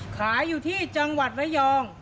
ขายอยู่ที่จังหวัดระยอง